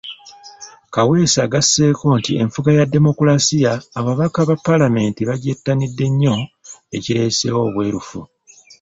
Kaweesa agasseeko nti enfuga ya demokulaasiya ababaka ba Paalamenti bagyettanidde nnyo ekireeseewo obwerufu.